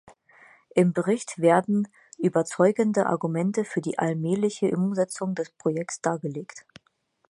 Im Bericht werden überzeugende Argumente für die allmähliche Umsetzung des Projektes dargelegt.